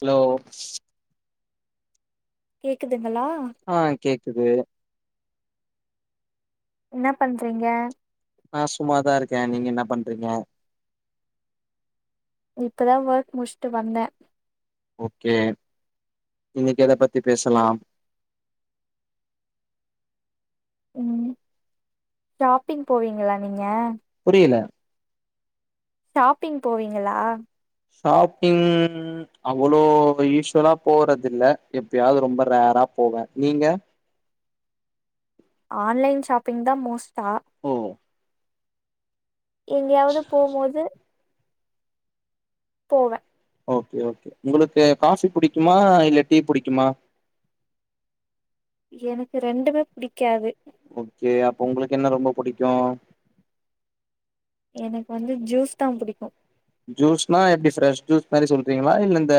Hello கேக்குது ங்களா குது என்ன பண்றீங்க நான் சும்மாதான் இருக்கேன் நீங்க என்ன பண்றீங்க இப்பதான் ஒர்க் முடிச்சுட்டு வந்தன் ஓகே இன்னைக்கு எத பத்தி பேசலாம் ம் ஷாப்பிங் போவீங்களா நீங்க புரியல ஷாப்பிங் போவீங்களா ஷாப்பிங் அவ்ளோ யூஸ்வலா போறது இல்ல எப்பயாவது ரொம்ப ரர்ரா போவேன் நீங்க ஆன்லைன் ஷாப்பிங் தா மோஸ் தா ஓ எங்கயாவது போம்போது போவன் ஓகே ஓகே உங்களுக்கு காபி புடிக்குமா இல்ல டீ புடிக்குமா எனக்கு ரெண்டுமே புடிக்காது ஓகே அப்ப உங்களுக்கு என்ன ரொம்ப பிடிக்கும் எனக்கு வந்து ஜூஸ் தான் புடிக்கும் ஜூஸ்னா எப்டி ஃபிரஸ் ஜூஸ் மாரி சொல்றீங்களா இல்ல இந்த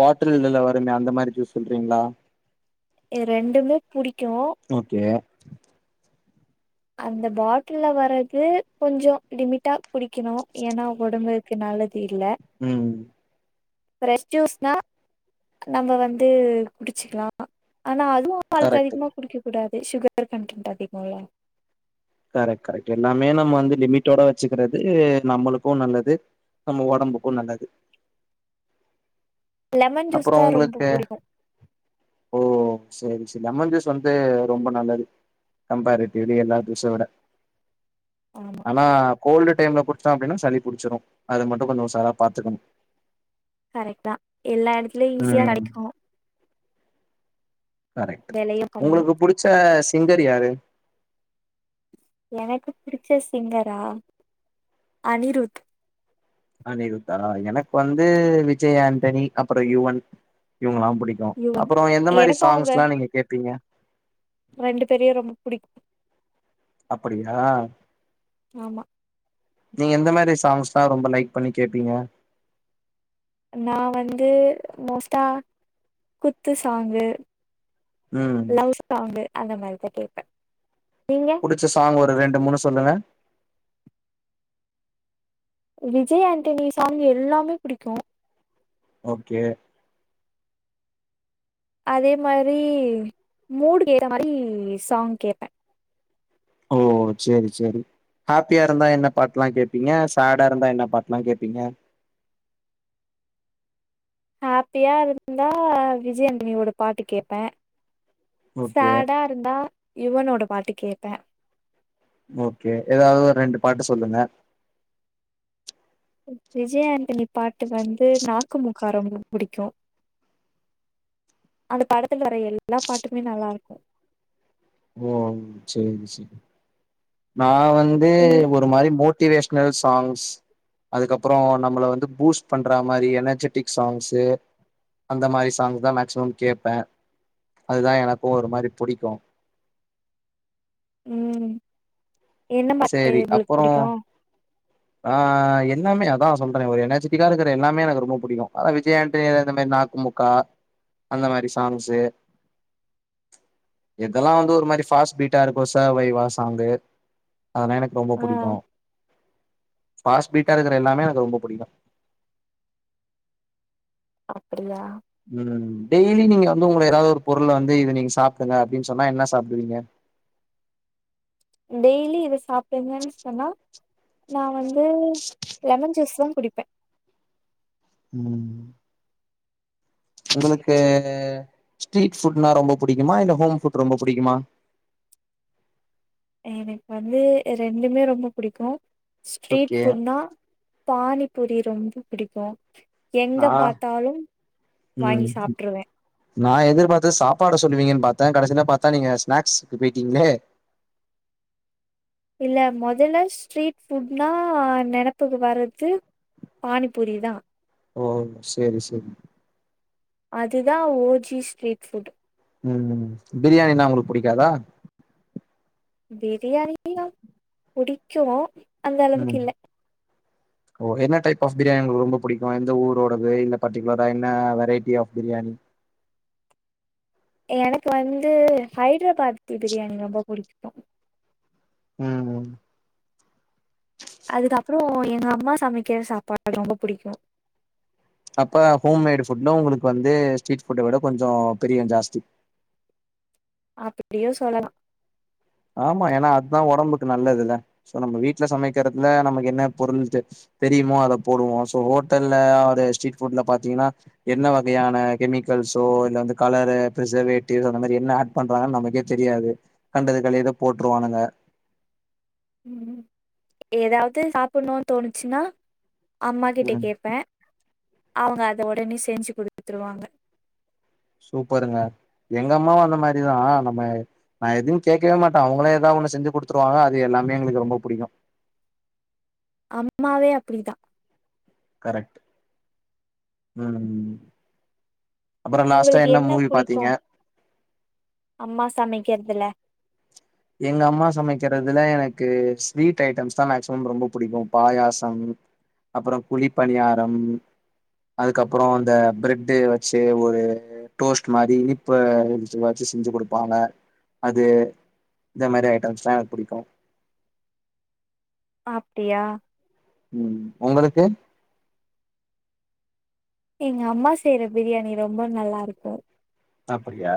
பாட்டில்ல வருமோ அந்த மாரி ஜூஸ் சொல்றீங்களா ரெண்டுமே புடிக்கும் ஓகே அந்த பாட்டில்ல வர்றது கொஞ்சோ லிமிட்டா குடிக்கணும் ஏன்னா உடம்புக்கு நல்லது இல்ல ம் ஃபிரஸ் ஜூஸ்னா நம்ம வந்து குடிச்சிக்கலாம் ஆனா அதுவும் அளவுக்கு கரெக்ட் அதிகமாக குடுக்க கூடாது ஷுகர் கண்டன்ட் அதிகம்லா கரெக்ட் கரெக்ட் எல்லாமே நம்ம வந்து லிமிட்டோட வச்சுக்கிறது நம்மளுக்கும் நல்லது நம்ம உடம்புக்கும் நல்லது லெமன் ஜூஸ் அப்றோ தா ரொம்ப உங்களுக்கு புடிக்கு ஓ சேரி சேரி லெமன் ஜுஸ் வந்து ரொம்ப நல்லது கம்பாரட்டிவ்லி எல்லா ஜூஸ விட ஆமா ஆனா கோல்டு டைம்ல குடிச்சோம் அப்டின்னா சளி புடிச்சுரும் அது மட்டும் கொஞ்ச உசாரா பாத்துக்கணும் கரெக்ட் தான் எல்லா இடத்துலயும் ஈஸியா கடைக்கும் கரெக்ட் உங்களுக்கு புடிச்ச சிங்கர் யாரு எனக்கு பிடிச்ச சிங்கரா அனிருத் அனிருத்தா எனக்கு வந்து விஜய் ஆண்டனி அப்புறம் யுவன் இவங்களாம் பிடிக்கும் யுவன் அப்புறம் எந்த மாரி எனக்கு அவங்க சாங்ஸ் எல்லா நீங்க கேப்பீங்க ரெண்டு பேரையும் ரொம்ப புடிக்கு அப்படியா ஆமா நீங்க எந்த மாரி சாங்ஸ்னா ரொம்ப லைக் பண்ணி கேப்பீங்க நா வந்து மோஸ்டா குத்து சாங்கு ம் லவ்வுஸ் சாங்கு அந்த மாரிதான் கேட்பேன் புடுச்ச சாங் ஒரு ரெண் டு மூணு சொல்லுங்க விஜய் ஆண்டனி சாங் எல்லாமே புடிக்கு ஓகே அதே மாரி மூடு ஏத்த மாரி சாங் கேட்பேன் ஓ சேரி சேரி ஹாப்பியா இருந்தா என்ன பாட்டுல்லாம் கேப்பீங்க சாடா இருந்தா என்ன பாட்டு எல்லாம் கேப்பீங்க ஹாப்பியா இருந்தா விஜய் ஆண்டனி ஓட பாட்டு கேட்பேன் ஓகே சாடா இருந்தா யுவனோட பாட்டு கேட்பேன் ஓகே ஏதாவது ஒரு ரெண்டு பாட்டு சொல்லுங்க விஜய் ஆண்டனி பாட்டு வந்து நாக்குமுக்கா ரொம்ப புடிக்கு அந்த படத்துல வர எல்லா பாட்டுமே நல்லா இருக்கு ஓ சேரி சேரி ந ந வந்து உங் ஒரு மாரி மெ மோட்டிவேஷனல் சாங்ஸ் அதுக்கப்புறம் நம்மளை வந்து பூஸ்ட் பண்ற மாரி எனர்ஜெட்டிக் சாங்ஸு அந்த மாரி சாங்ஸ் தான் மேக்சிமம் கேட்பேன் அதுதான் எனக்கும் ஒரு மாரி புடிக்கு உம் என்ன மட்டு சேரி உங்களுக்கு அப்புறோ புடிக்கு ஆ எல்லாமே அதான் சொல்றேன் ஒரு எனர்ஜிட்டிக்கா இருக்கிற எல்லாமே எனக்கு ரொம்ப புடிக்கு அதான் விஜய் ஆண்டனி இந்த மாரி நாக்குமுக்கா அந்த மாரி சாங்ஸு எதெல்லாம் வந்து ஒரு மாரி பாஸ்ட் பீட்டா இருக்கும் ச வைவா சாங்கு அதல்லா எனக்கு ரொம்ப ஆ புடிக்கு பாஸ்பீட்டா இருக்கிற எல்லாமே எனக்கு ரொம்ப புடிக்கு அப்படியா உம் டெய்லி நீங்க வந்து உங்க ஏதாவது ஒரு பொருளை வந்து இது நீங்க சாப்பிடுங்க அப்படின்னு சொன்னா என்ன சாப்பிடுவீங்க டெய்லி இத சாப்பிடுங்கன்னு சொன்னா நா வந் இது லெமன் ஜூஸ் தா குடிப்ப உம் உங்களுக்கு ஸ்ட்ரீட் ஃபுட்னா ரொம்ப புடிக்குமா இல்ல ஹோம் ஃபுட் ரொம்ப புடிக்குமா எனக்கு வந்து ரெண்டுமே ரொம்ப புடிக்கு ஸ்ட்ரீட் ஓகே ஃபுட்னா பானி பூரி ரொம்ப புடிக்கு எங்க ஆ பாத்தாலும் ம் வாங்கி சாப்ட்ருவே நா எதிர்பாத்தது சாப்பாட சொல்லுவீங்கன்னு பாத் தே கடைசில பாத்தா நீங்க ஸ்நாக்ஸ்க்கு போயிட்டீங்களே. இல்ல மொதல்ல ஸ்ட்ரீட் ஃபுட்னா நெனப்புக்கு வர்றது பானி பூரிதா. ஓ சேரி சேரி. அதுதா ஓ ஜி ஸ்ட்ரீட் ஃபுட். ம் பிரியாணின்னா உங்களுக்கு புடிக்காதா? பிரியாணியு புடிக்கு. அந்த ம் அளவுக்கு இல்ல. ஓ என்ன டைப் ஆஃப் பிரியாணி உங்களுக்கு ரொம்ப புடிக்கு எந்த ஊரோடது இல்ல பர்ட்டிகுலரா என்ன வெரைட்டி ஆஃப் பிரியாணி எனக்கு வந்து ஹைதராபாத் பிரியாணி ரொம்ப புடிக்கு. ம் ம் அதுக்கப்றோ எங்க அம்மா சமைக்கிற சாப்பாடு ரொம்ப புடிக்கு. அப்ப ஹோம்மேடு ஃபுட்ல உங்களுக்கு வந்து ஸ்ட்ரீட் ஃபுட்ட விட கொஞ்சோ பிரியோ ஜாஸ்தி. அப்டியு சொல்லலா. ஆமா ஏன்னா அதா ஒடம்புக்கு நல்லது இல்ல. சோ நம்ம வீட்ல சமைக்கிறதுல நமக்கு என்ன பொருள் தெ தெரியுமோ அத போடுவோ. சோ ஹோட்டல்ல ஒரு ஸ்ட்ரீட் ஃபுட்ல பாத்தீங்கன்னா என்ன வகையான கெமிக்கல்ஸோ இல்ல வந்து கலரு பிரிசர்வேட்டிவ் அந்த மாரி என்ன ஆட் பண்றாங்கன்னு நமக்கே தெரியாது கண்டது களியத போட்ருவானுங்க. ம் ம் ஏதாவது சாப்டணுன்னு தோணுச்சுன்னா அம்மா கிட்ட ம் கேப்பே. அவுங்க அத உடனே செஞ்சு குடுத்துருவாங்க. சூப்பருங்க. எங்க அம்மாவு அந்த மாரிதா நம்ம நா எதுவு கேக்கவே மாட்டே அவுங்களே ஏதாவது ஒண்ணு செஞ்சு குடுத்துருவாங்க அது எல்லாமே எங்களுக்கு ரொம்ப புடிக்கு. அம்மாவே அப்டிதா. கரெக்ட் ம் ம் அப்புறோ லாஸ்ட்டா உங்களுக்கு என்ன மூவி புடிக்கு பாத்தீங்க அம்மா சமைக்கறதுல? எங்க அம்மா சமைக்கிறதுல எனக்கு ஸ்வீட் ஐட்டம்ஸ்தா மேக்சிமம் ரொம்ப புடிக்கு. பாயாசம் அப்றம் குழி பணியாரம் அதுக்கப்றோ இந்த பிரெட்டு் வச்சு ஒரு டோஸ்ட் மாரி இனிப்பு வச்சு ஏதாச்சு செஞ்சு குடுப்பாங்க அது இந்த மாரி ஐட்டம்ஸ்லா எனக்கு புடிக்கு. அப்டியா? ம் உங்களுக்கு? எங்க அம்மா செய்யற பிரியாணி ரொம்ப நல்லா இருக்கு. அப்பிடியா?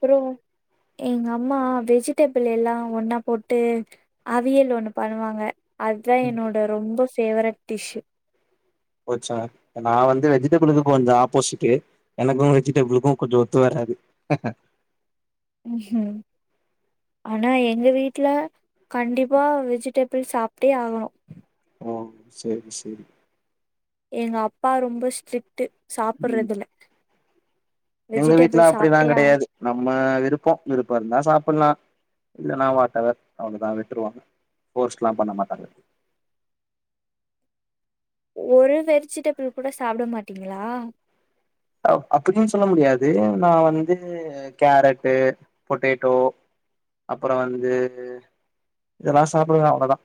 அப்றோ எங்க அம்மா வெஜிடபிள் எல்லா ஒன்னா போட்டு அவியல் ஒன்னு பண்ணுவாங்க. அதா ம் என்னோட ரொம்ப ஃபேவரட் டிஷ்ஷு. போச்சா அ நா வந்து வெஜிடபிளுக்கு கொஞ்ச ஆப்போசிட்டு எனக்கு வெஜிடபிளுக்கு கொஞ்ச ஒத்து வராது. ம்ஹும் ஆனா எங்க வீட்ல கண்டிப்பா வெஜிடபிள் சாப்டே ஆகணு. ஓ செரி செரி. எங்க அப்பா ரொம்ப ஸ்ட்ரிட்டு ம். சாப்டறதுல. எங்க வீட்ல அப்டிலா ஆ கெடையாது நம் அ விருப்போ விருப்ப இருந்தா சாப்டலா இல்லன்னா வாட்டவர் அவ்ளோதா விட்ருவாங்க. ஃபோர்ஸ்லா பண்ண மாட்டாங்க. ஒரு வெஜிடபிள் கூட சாப்ட மாட்டீங்களா? அ அப்பிடின்னு சொல்ல முடியாது. நா வந்து கேரட்டு பொட்டேட்டோ அப்றோ வந்து இதெல்லா சாப்பிடுவே அவ்வளவுதா.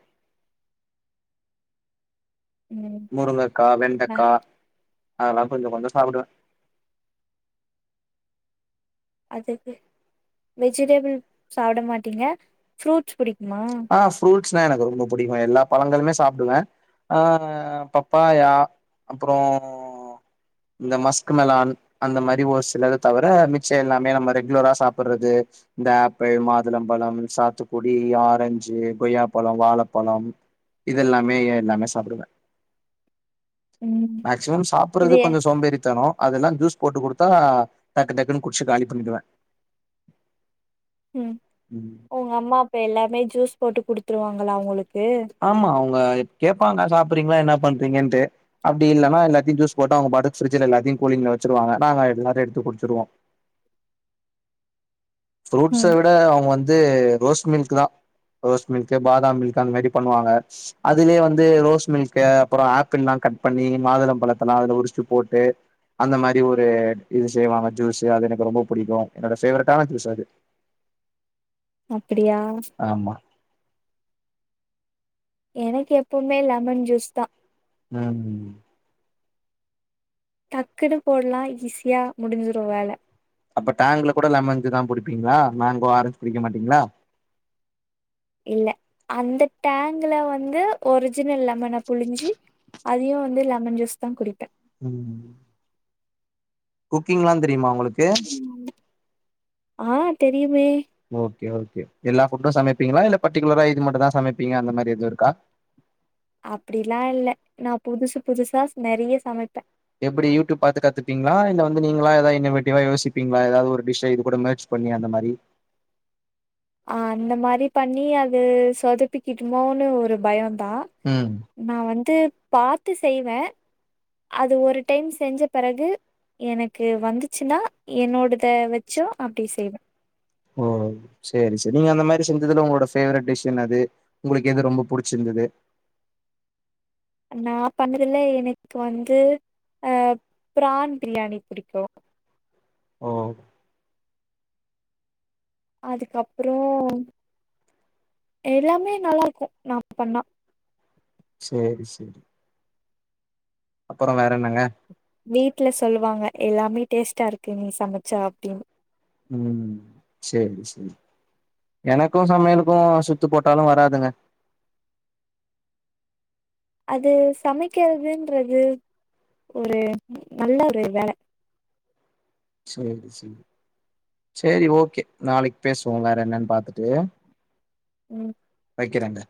ம் முருங்கக்கா நா வெண்டக்கா அதெல்லா கொஞ்ச கொஞ்ச சாப்டுவே. அதுக்கு வெஜிடபிள் சாப்ட மாட்டீங்க ஃப்ரூட் ஸ் புடிக்குமா? ஸ்னா எனக்கு ரொம்ப புடிக்கு எல்லா பழங்களுமே சாப்டுவே ஆ பப்பாயா அப்றோ இந்த மஸ்க்மெலான் அந்த மாரி ஒரு சிலது தவிர மிச்சோ எல்லாமே நம்ம ரெகுலரா சாப்டுறது இந்த ஆப்பிள் மாதுளம்பழம் சாத்துக்குடி ஆரஞ்சு கொய்யாப்பழோ வாழப்பழம் இது எல்லாமே எல்லாமே சாப்டுவே. ம் மேக்சிமம் சாப்பட்றது இது கொஞ்ச சோம்பேறித்தனோ அதெல்லா ஜூஸ் போட்டு குடுத்தா டக்கு டக்குன்னு குடிச்சு காலி பண்ணிடுவே. ம் உங்க அம்மா அப்ப எல்லாமே ஜூஸ் போட்டு குடுத்துருவாங்களா உங்களுக் ஆமா அவங்க கேப்பாங்க சாப்பட்றீங்களா என்னா பண்றீங்கன்ட்டு. அப்டி இல்லைன்னா எல்லாத்தையு ஜூஸ் போட்டு அவங்க பாட்டுக்கு ப்ரிட்ஜுல எல்லாத்தையு கூலிங்ல வச்சிருவாங்க. நாங்க எல்லாரு எடுத்து குடுச்சிருவோ. ஃப்ரூட்ஸ ம் விட அவங்க வந்து ரோஸ் மில்க் குதா ரோஸ் மில்க்கு பாதாம் மில்க்கு அந்த மாரி பண்ணுவாங்க. அதுலயே வந்து ரோஸ் மில்க்கு அப்பறோ ஆப்பிள்லா கட் பண்ணி மாதுளம் பழத்தல்லா அதுல உரிச்சு போட்டு அந்த மாரி ஒரு இது செய்வாங்க ஜூஸு அது எனக்கு ரொம்ப புடிக்கு என்னோட ஃபேவரட்டான ஜூஸ் அது அப்பிடியா ஆமா எனக்கு எப்பவுமே லெமன் ஜூஸ்தா. ம் ம் டக்குன்னு போட்லா ஈஸியா முடிஞ்சிரு வேல. அப்ப டேங்ல கூட லெமன்ஞ்சுதா குடிப்பீங்களா மேங்கோ ஆரஞ்சு குடிக்க மாட்டீங்களா? இல்ல அந்த டேங்ல வந்து ஒரிஜினல் லெமன புழிஞ்சு அதையு வந்து லெமன் ஜூஸ்தா குடிப்பே. ம் ம் குக்கிங்லா தெ ரியுமா உங்களுக்கு? ஆ தெரியுமே ஓகே ஓகே எல்லா ஃபுட்டு சமைப்பீங்களா இல்ல பர்டிகுலரா இது மட்டும்தா சமைப்பீங்க அந்த மாரி எதுவு இருக்கா? அப்டிலா இல்ல நா புதுசு புதுசா நெறைய சமைப்பே. எப்டி யூடூப் பாத்து கத்துப்பீங்களா இல்ல வந்து நீங்களா ஏதாவது இன்னோவேட்டிவா யோசிப்பீங்களா எதாவது ஒரு டிஷ்ஷ இது கூட மெர்ஜ் பண்ணி அந்த மாரி. ஆ அந்த மாரி பண்ணி அது சொதப்பிக்கிடுமோனு ஒரு பயோ ந்தா ம் நா வந்து பாத்து செய்வே. அது ஒரு டைம் செஞ்ச பிறகு எனக்கு வந்துச்சுன்னா என்னோடத வச்சும் அப்டி செய்வே. ஓ சேரி சேரி. நீங்க அந்த மாரி செஞ்சதுல உங்களோட ஃபேவரட் டிஷ் என்னது உங்களுக்கு எது ரொம்ப புடிச்சிருந்தது? நா பண்ணதுல எனக்கு வந்து ஆ பிரான் பிரியாணி புடிக்கு. ஓ அதுக்கப்றோ எல்லாமே நல்லா இருக்கு நா பண்ணா. சேரி சேரி. அப்புற வேற என்னங்க? வீட்ல சொல்லுவாங்க எல்லாமே டேஸ்ட்டா இருக்கு நீ சமைச்சா அப்டின்னு. ம் சேரி சேரி எனக்கு சமையலுக்கு சுத்து போட்டாலு வராதுங்க. அது சமைக்கிறதுன்றது ஒரு நல்ல ஒரு வேல. சேரி சேரி சேரி ஓகே நாளைக்கு பேசுவோ வேற என்னன்னு பாத்துட்டு. ம் வைக்கிறேங்க.